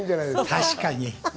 確かに。